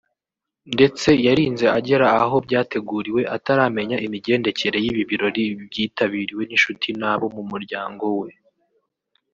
ndetse yarinze agera aho byategururiwe ataramenya imigendekere y’ibi birori byitabiriwe n’inshuti n’abo mu muryango we